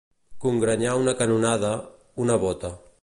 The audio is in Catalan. Congrenyar una canonada, una bota.